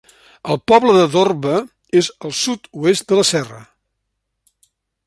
El poble de Dorve és al sud-oest de la serra.